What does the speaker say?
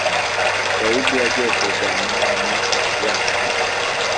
dawidi agiye kurwana na wa